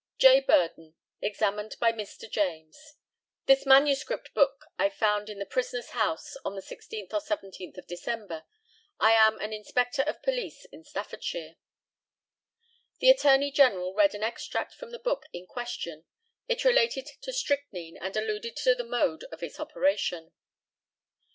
J. BURDON, examined by Mr. JAMES: This manuscript book I found in the prisoner's house on the 16th or 17th of December. I am an inspector of police in Staffordshire. The ATTORNEY GENERAL read an extract from the book in question. It related to strychnine, and alluded to the mode of its operation.